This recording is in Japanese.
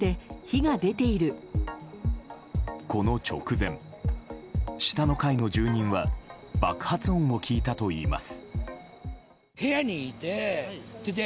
この直前、下の階の住人は爆発音を聞いたといいます。